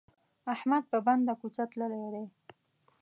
احمد په بنده کوڅه تللی دی.